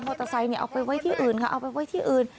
มอเตอร์ไซค์เนี่ยเอาไปไว้ที่อื่นค่ะเอาไปไว้ที่อื่น